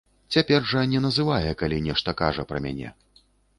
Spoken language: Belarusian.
Цяпер жа не называе, калі нешта кажа пра мяне.